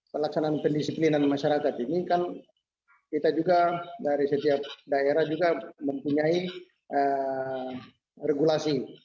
pelaksanaan pendisiplinan masyarakat ini kan kita juga dari setiap daerah juga mempunyai regulasi